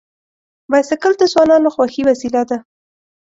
بایسکل د ځوانانو خوښي وسیله ده.